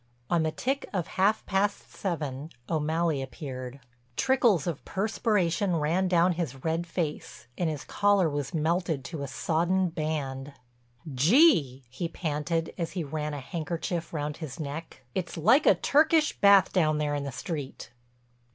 On the tick of half past seven O'Malley appeared. Trickles of perspiration ran down his red face, and his collar was melted to a sodden band. "Gee," he panted as he ran a handkerchief round his neck, "it's like a Turkish bath down there in the street."